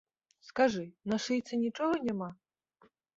Скажы, на шыйцы нічога няма?